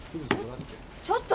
ちょっと！